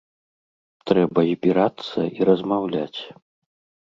Трэба збірацца і размаўляць.